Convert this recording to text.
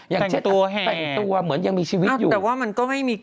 อย่างเช่นแต่งตัวเหมือนยังมีชีวิตอยู่แต่ว่ามันก็ไม่มี